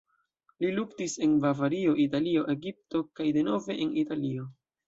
Li luktis en Bavario, Italio, Egipto kaj denove en Italio.